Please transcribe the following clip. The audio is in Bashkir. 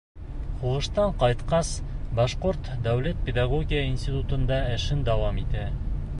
Һуғыштан ҡайтҡас, Башҡорт дәүләт педагогия институтында эшен дауам итә.